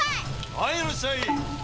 はいいらっしゃい。